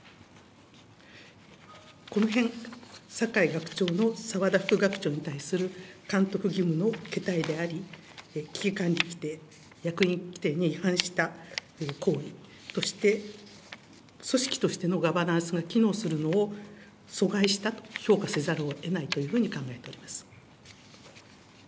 このへん、酒井学長の澤田副学長に対する監督義務のけたいであり、危機管理規定、役員規定に違反した行為として組織としてのガバナンスが機能するのを阻害したと評価せざるをえないというふうに考えております。